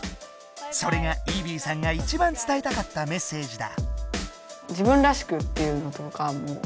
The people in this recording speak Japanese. それがイーヴィーさんが一番伝えたかったメッセージだ。